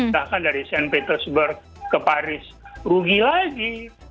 bahkan dari st petersburg ke paris rugi lagi